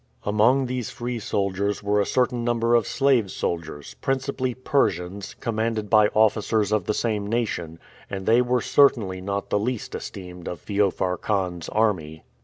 Among these free soldiers were a certain number of slave soldiers, principally Persians, commanded by officers of the same nation, and they were certainly not the least esteemed of Feofar Khan's army.